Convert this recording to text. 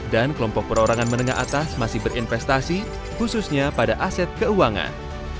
dan kelompok perorangan menengah atas masih berinvestasi khususnya pada aset keuangan